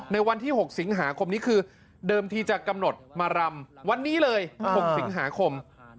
วันที่๖สิงหาคมนี้คือเดิมทีจะกำหนดมารำวันนี้เลย๖สิงหาคม